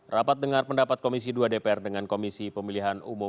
rapat dengar pendapat komisi dua dpr dengan komisi pemilihan umum